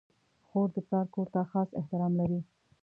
خور د پلار کور ته خاص احترام لري.